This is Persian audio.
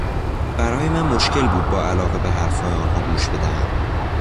برای من مشکل بود با علاقه به حرفهای آنها گوش بدهم.